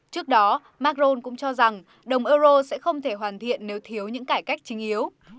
trước đó macron cũng cho rằng đồng euro sẽ không thể hoàn thiện nếu thiếu những cải cách chính yếu